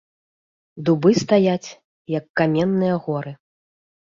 Дубы стаяць, як каменныя горы.